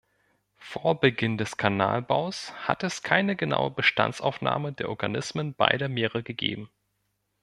Vor Beginn des Kanalbaus hat es keine genaue Bestandsaufnahme der Organismen beider Meere gegeben.